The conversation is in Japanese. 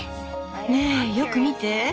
ねえよく見て！